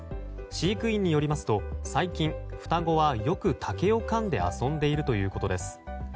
飼育員によりますと最近双子はよく竹をかんで遊んでいるということです。